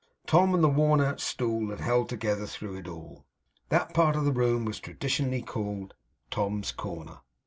Tom and the worn out stool had held together through it all. That part of the room was traditionally called 'Tom's Corner.